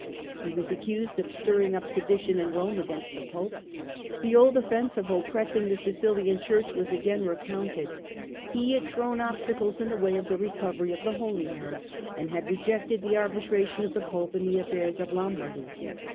He was accused of stirring up sedition in Rome against the Pope. The old offence of oppressing the Sicilian Church was again recounted. He had thrown obstacles in the way of the recovery of the Holy Land and had rejected the arbitration of the Pope in the affairs of Lombardy.